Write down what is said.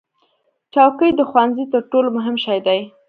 چوکۍ د ښوونځي تر ټولو مهم شی دی.